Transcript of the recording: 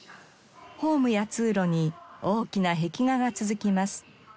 ホームや通路に大きな壁画が続きます。